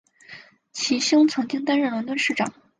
其兄曾经担任伦敦市长。